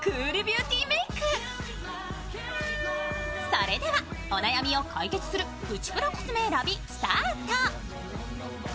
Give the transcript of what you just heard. それではお悩みを解決するプチプラコスメ選びスタート。